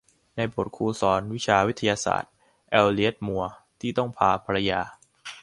ในบทครูสอนวิชาวิทยาศาสตร์ เอลเลียต มัวร์ ที่ต้องพาภรรยา